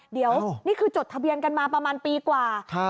เดี๋ยวนี่คือจดทะเบียนกันมาประมาณปีกว่า